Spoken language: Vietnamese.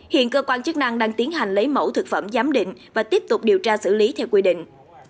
hiện cơ quan chức năng đang tiến hành lấy mẫu thực phẩm giám định và tiếp tục điều tra xử lý theo quy định